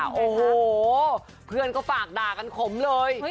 โอ้โหเพื่อนก็ฝากด่ากันขมเลย